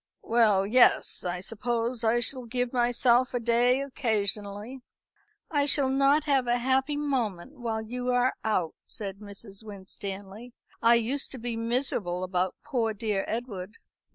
"Well, yes; I suppose I shall give myself a day occasionally." "I shall not have a happy moment while you are out," said Mrs. Winstanley. "I used to be miserable about poor dear Edward."